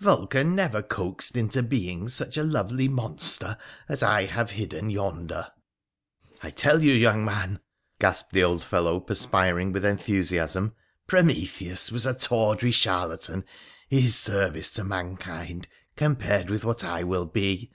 Vulcan never coaxed into being such a lovely monster as I have hidden yonder. I tell you, young man,' gasped the old fellow, perspiring with enthusiasm, ' Prometheus was a tawdry charlatan i' his service to mankind, compared with what I will be.